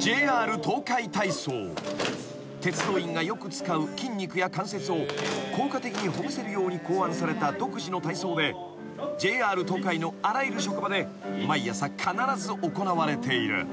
［鉄道員がよく使う筋肉や関節を効果的にほぐせるように考案された独自の体操でＪＲ東海のあらゆる職場で毎朝必ず行われている］